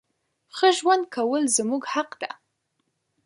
ښه ژوند کول زموږ حق ده.